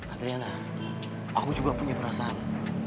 adriana aku juga punya perasaan